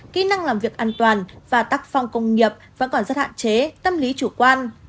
kỹ năng làm việc an toàn và tắc phong công nghiệp vẫn còn rất hạn chế tâm lý chủ quan